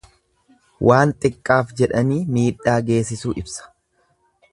Waan xiqqaaf jedhanii miidhaa geessisuu ibsa.